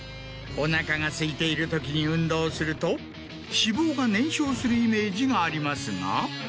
おなかがすいているときに運動すると脂肪が燃焼するイメージがありますが。